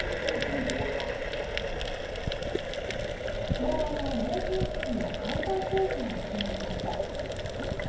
昭和の名建築の解体工事が始まりました。